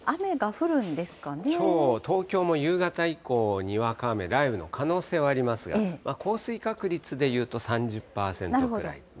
きょう、東京も夕方以降、にわか雨、雷雨の可能性はありますが、降水確率で言うと３０％くらい。